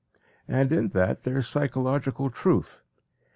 And in that there is psychological truth.